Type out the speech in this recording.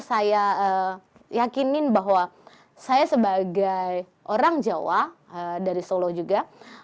saya yakinin bahwa saya sebagai orang jawa dari solo juga